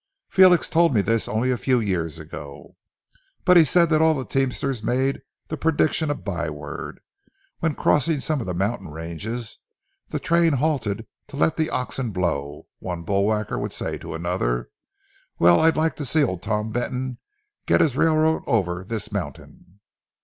Felix told me this only a few years ago. But he said that all the teamsters made the prediction a byword. When, crossing some of the mountain ranges, the train halted to let the oxen blow, one bull whacker would say to another: 'Well, I'd like to see old Tom Benton get his railroad over this mountain.'